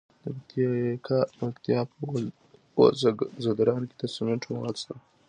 د پکتیا په وزه ځدراڼ کې د سمنټو مواد شته.